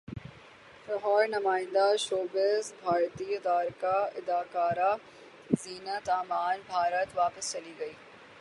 لاہورنمائندہ showbiz بھارتی اداکارہ زینت امان بھارت واپس چلی گئیں